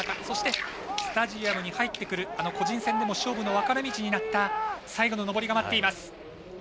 そして、スタジアムに入ってくる個人戦でも勝負の分かれ道になった最後の上りが待っています。